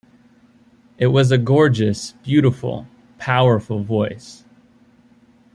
It was a gorgeous, beautiful, powerful voice.